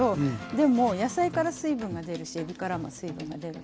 でも野菜から水分が出るしえびからも水分が出るしはい。